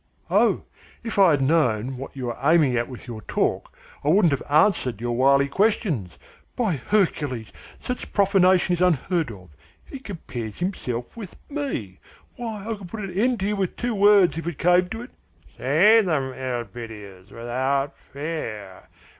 "Oh, if I had known what you were aiming at with your talk, I wouldn't have answered your wily questions. By Hercules, such profanation is unheard of he compares himself with me! Why, I could put an end to you with two words, if it came to it " "Say them, Elpidias, without fear.